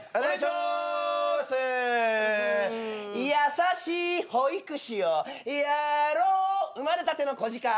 優しい保育士をやろ生まれたての子鹿。